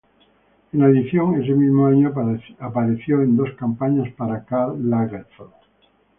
En adición, ese mismo año, apareció en dos campañas para Karl Lagerfeld.